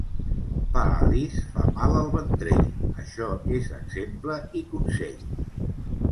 Pa alís fa mal al ventrell, això és exemple i consell.